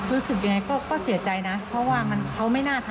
รู้สึกยังไงก็เสียใจนะเพราะว่าเขาไม่น่าทำ